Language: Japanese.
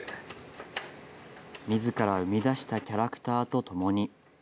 みずから生み出したキャラクターと共に。